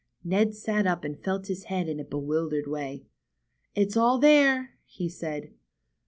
Ned sat up and felt his head in a bewildered way. It's all there," he said.